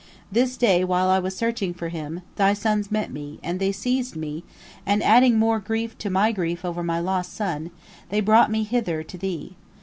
This day, while I was searching for him, thy sons met me, and they seized me, and, adding more grief to my grief over my lost son, they brought me hither to thee.